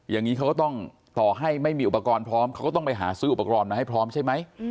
อย่างนี้เขาก็ต้องต่อให้ไม่มีอุปกรณ์พร้อมเขาก็ต้องไปหาซื้ออุปกรณ์มาให้พร้อมใช่ไหม